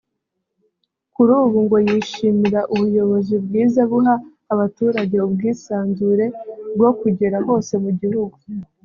Kuri ubu ngo yishimira ubuyobozi bwiza buha abaturage ubwisanzure bwo kugera hose mu gihugu